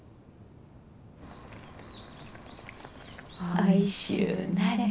おいしゅうなれ。